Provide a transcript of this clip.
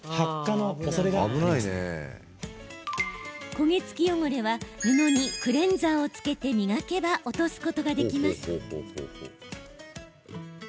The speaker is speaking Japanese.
焦げ付き汚れは布にクレンザーをつけて磨けば落とすことができます。